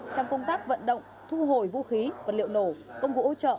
trong công tác vận động thu hồi vũ khí vật liệu nổ công cụ hỗ trợ